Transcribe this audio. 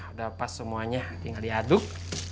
udah pas semuanya tinggal diaduk